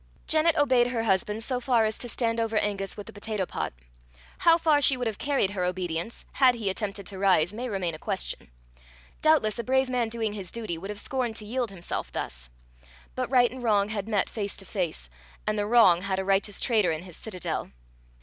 Janet obeyed her husband so far as to stand over Angus with the potato pot: how far she would have carried her obedience had he attempted to rise may remain a question. Doubtless a brave man doing his duty would have scorned to yield himself thus; but right and wrong had met face to face, and the wrong had a righteous traitor in his citadel.